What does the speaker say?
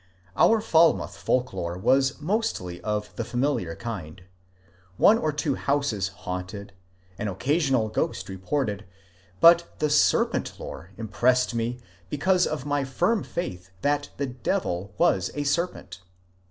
Our Falmouth folk lore was mostly of the familiar kind, — one or two houses " haunted," an occasional ghost reported, — but the serpent lore impressed me because of my firm faith that the Devil was a serpent.